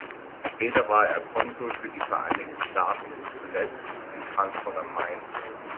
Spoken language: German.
Später war er Konsul für die Vereinigten Staaten, zuletzt in Frankfurt am Main.